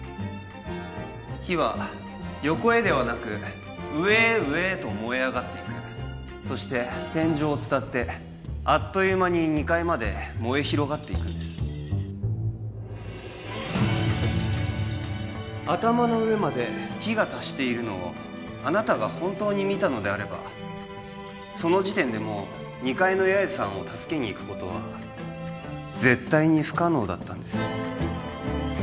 火は横へではなく上へ上へと燃え上がっていくそして天井を伝ってあっという間に２階まで燃え広がっていくんです頭の上まで火が達しているのをあなたが本当に見たのであればその時点でもう２階のヤエさんを助けに行くことは絶対に不可能だったんです